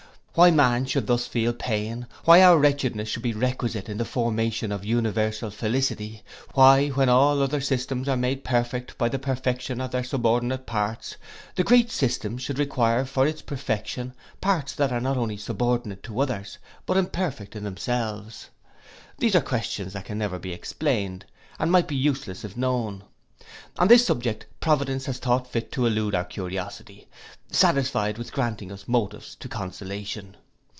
Why man should thus feel pain, why our wretchedness should be requisite in the formation of universal felicity, why, when all other systems are made perfect by the perfection of their subordinate parts, the great system should require for its perfection, parts that are not only subordinate to others, but imperfect in themselves? These are questions that never can be explained, and might be useless if known. On this subject providence has thought fit to elude our curiosity, satisfied with granting us motives to consolation.